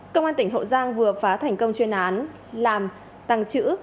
công an tỉnh hậu giang vừa phá thành công chuyên án làm tăng chữ